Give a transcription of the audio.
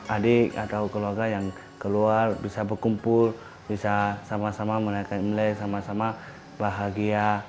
adik atau keluarga yang keluar bisa berkumpul bisa sama sama menaikkan imlek sama sama bahagia